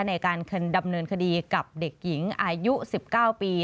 ในการดำเนินคดีกับเด็กหญิงอายุ๑๙ปี